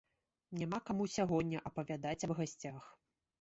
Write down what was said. Няма каму сягоння апавядаць аб гасцях.